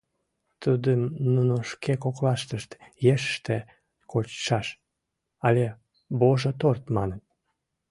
Тудым нуно шке коклаштышт «ешыште кочшаш» але «Божо торт» маныт.